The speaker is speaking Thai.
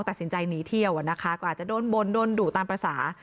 ตัดสินใจหนีเที่ยวอ่ะนะคะก็อาจจะโดนบนโดนดุตามภาษา